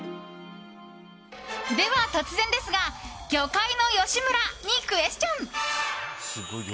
では、突然ですが魚介の吉村にクエスチョン！